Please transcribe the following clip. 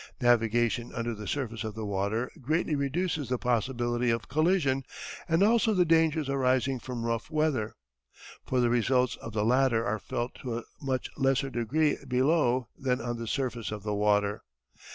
Navigation under the surface of the water greatly reduces the possibility of collision and also the dangers arising from rough weather. For the results of the latter are felt to a much lesser degree below than on the surface of the water.